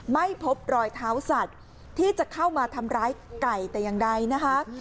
ไม่พบรอยเท้าสัตว์ที่จะเข้ามาทำร้ายไก่แต่อย่างใดนะคะ